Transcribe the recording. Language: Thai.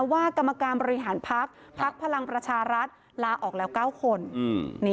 กรรมการบริหารพักพลังประชารัฐลาออกแล้ว๙คน